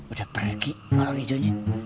udah pergi kolor hijaunya